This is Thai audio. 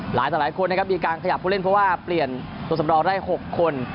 หลายคนนะครับมีการขยับผู้เล่นเพราะว่าเปลี่ยนตัวสำรองได้๖คน